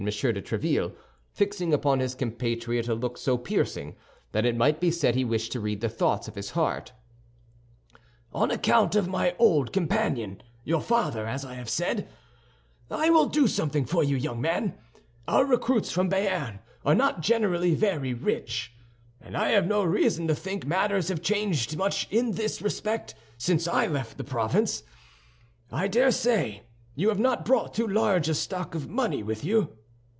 de Tréville, fixing upon his compatriot a look so piercing that it might be said he wished to read the thoughts of his heart, "on account of my old companion, your father, as I have said, I will do something for you, young man. Our recruits from Béarn are not generally very rich, and I have no reason to think matters have much changed in this respect since I left the province. I dare say you have not brought too large a stock of money with you?"